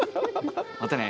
またね。